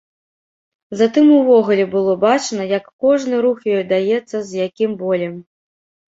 Затым увогуле было бачна, як кожны рух ёй даецца з якім болем.